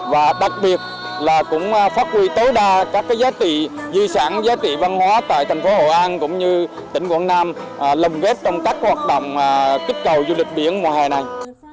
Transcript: và đặc biệt là cũng phát huy tối đa các giá trị di sản giá trị văn hóa tại thành phố hội an cũng như tỉnh quảng nam lồng ghép trong các hoạt động kích cầu du lịch biển mùa hè này